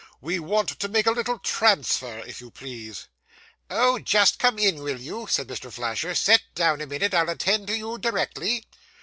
'We want to make a little transfer, if you please.' 'Oh, just come in, will you?' said Mr. Flasher. 'Sit down a minute; I'll attend to you directly.